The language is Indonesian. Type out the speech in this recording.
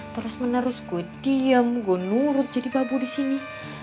terus menerus gue diem gue nurut jadi babu disini